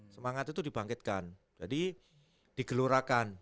semangat itu dibangkitkan jadi digelurakan